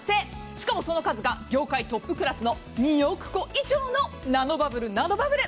しかもその数が業界トップくらすの２億個以上のナノバブル、ナノバブル。